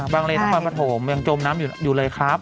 บางเลยความประถมยังจมน้ำอยู่เลยครับ